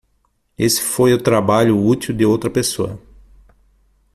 Esse foi o trabalho útil de outra pessoa.